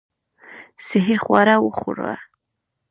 صحي خواړه وخوره .